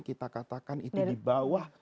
kita katakan itu di bawah